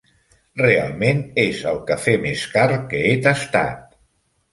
Realment, és el cafè més car que he tastat.